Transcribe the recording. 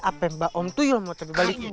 apa mbak om tuyul mau terbalikin